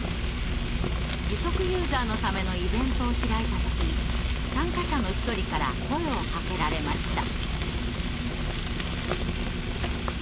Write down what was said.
義足ユーザーのためのイベントを開いた時参加者の一人から声をかけられました。